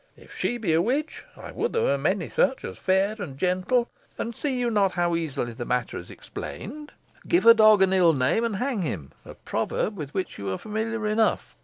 If she be a witch, I would there were many such as fair and gentle. And see you not how easily the matter is explained? 'Give a dog an ill name and hang him' a proverb with which you are familiar enough.